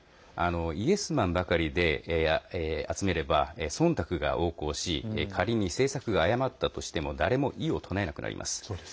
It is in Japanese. イエスマンばかりで集めれば忖度が横行し仮に政策が誤ったとしても誰も異を唱えなくなります。